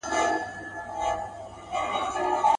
د نامحرمو دلالانو غدۍ.